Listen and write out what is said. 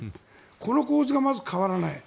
この構図がまず変わらない。